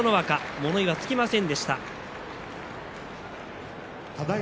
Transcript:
物言いはつきませんでした。